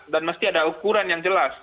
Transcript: dan mesti ada ukuran yang jelas